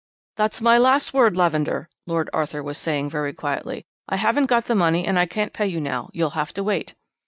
"'That's my last word, Lavender,' Lord Arthur was saying very quietly. 'I haven't got the money and I can't pay you now. You'll have to wait.'